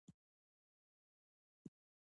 بیکاري د کار کولو فرصت نشتوالی دی.